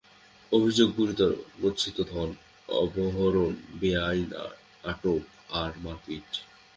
অভিযোগ গুরুতর, গচ্ছিত ধন অপহরণ, বেআইন আটক, আর মারপিট।